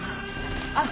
あっ。